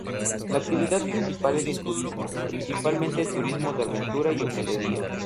La actividad principal es el turismo, principalmente turismo de aventura y hotelería.